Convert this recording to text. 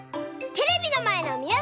テレビのまえのみなさん！